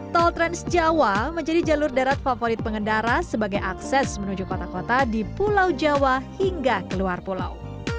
tol trans jawa menjadi jalur darat favorit pengendara sebagai akses menuju kota kota di pulau jawa hingga keluar pulau